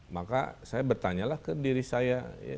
maka saya bertanyalah ke diri saya